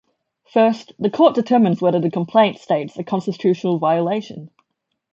First, the court determines whether the complaint states a constitutional violation.